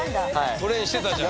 トレインしてたじゃん。